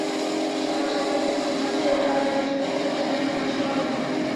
সকাল সাতটার দিকে দোকানঘরের আড়ায় রশিতে তাঁর ঝুলন্ত লাশ পাওয়া যায়।